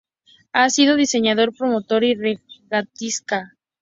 Ha sido diseñador, promotor y regatista.